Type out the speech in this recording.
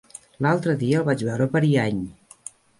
L'altre dia el vaig veure per Ariany.